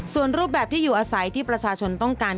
ส่วนรูปแบบที่อยู่อาศัยที่ประชาชนต้องการ